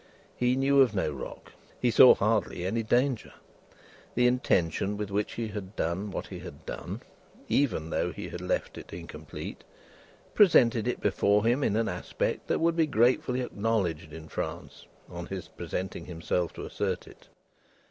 He knew of no rock; he saw hardly any danger. The intention with which he had done what he had done, even although he had left it incomplete, presented it before him in an aspect that would be gratefully acknowledged in France on his presenting himself to assert it.